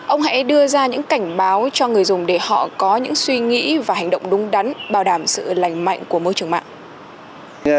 ông hãy đưa ra những cảnh báo cho người dùng để họ có những suy nghĩ và hành động đúng đắn bảo đảm sự lành mạnh của môi trường mạng